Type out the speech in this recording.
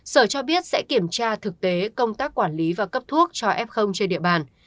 sở cho biết sẽ kiểm tra thực tế công tác quản lý và cấp thuốc cho f trên địa bàn